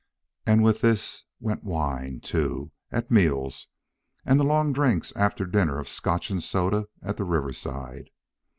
And with this went wine, too, at meals, and the long drinks after dinner of Scotch and soda at the Riverside.